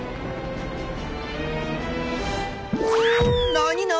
何何？